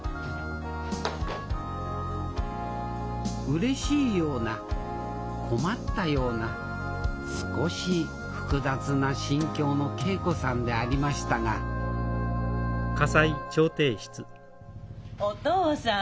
うれしいような困ったような少し複雑な心境の桂子さんでありましたがお父さん！